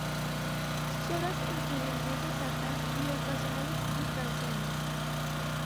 Sus obras incluyen piezas sacras y ocasionales y canciones.